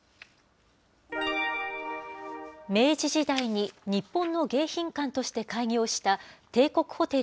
明治時代に日本の迎賓館として開業した帝国ホテル